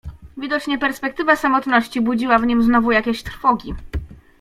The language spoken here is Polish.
"Widocznie perspektywa samotności budziła w nim znowu jakieś trwogi."